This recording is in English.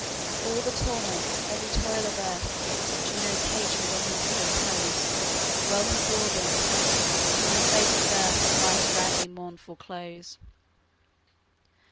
All the torments, every toil of earth Juno's hatred on him could impose, Well he bore them, from his fated birth To life's grandly mournful close.